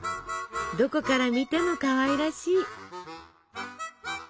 どこから見てもかわいらしい！